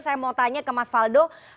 saya mau tanya ke mas faldo